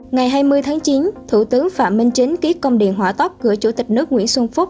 ngày hai mươi tháng chín thủ tướng phạm minh chính ký công điện hỏa tốc cửa chủ tịch nước nguyễn xuân phúc